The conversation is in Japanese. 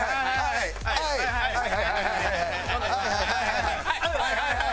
はいはいはいはい！